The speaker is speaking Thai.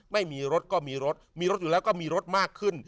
ไม่มีรถก็มีรถมีรถอยู่แล้วก็มีรถมากขึ้น